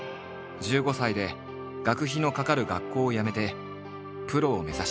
１５歳で学費のかかる学校をやめてプロを目指した。